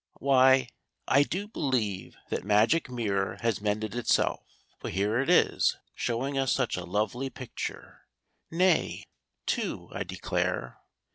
WHY, I do believe that Magic Mirror has mended itself, for here it is, showing us such a lovely picture nay, two, I declare.